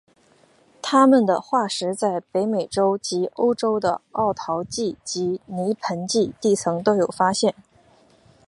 它们的化石在北美洲及欧洲的奥陶纪及泥盆纪地层都有发现。